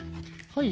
はい。